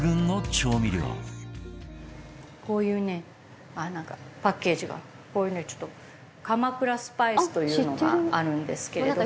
こういうねあっなんかパッケージがこういうねちょっと鎌倉スパイスというのがあるんですけれども。